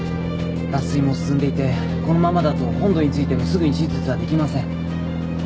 脱水も進んでいてこのままだと本土に着いてもすぐに手術はできません。